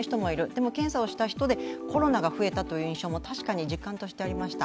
でも検査をした人でコロナが増えたという印象も確かに実感としてありました。